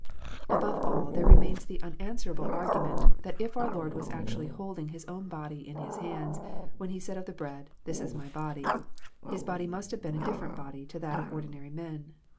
Above all, there remains the unanswerable argument that if our Lord was actually holding His own body in His hands, when He said of the bread, "This is My body," His body must have been a different body to that of ordinary men.